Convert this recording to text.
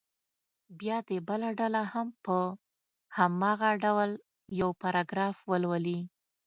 بیا دې بله ډله هم په هماغه ډول یو پاراګراف ولولي.